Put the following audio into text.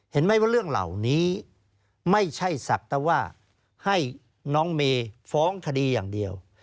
เห็นไหมว่าเรื่องเหล่านี้ไม่ใช่ศักดิ์แต่ว่าให้น้องเมย์ฟ้องคดีอย่างเดียว